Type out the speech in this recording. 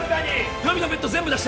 予備のベッド全部出して！